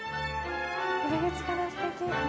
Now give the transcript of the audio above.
入り口からすてき。